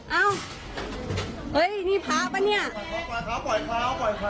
เอ้าเอ้ยนี่พ้าปะเนี้ยปล่อยเขาปล่อยเขาปล่อยเขาปล่อยเขา